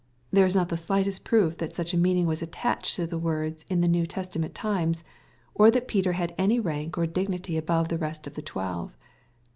There is not the slightest proof that such a meaning was attached to the words in the New Testament times, or that Peter had any rank or dignity ahove the rest of the twelve.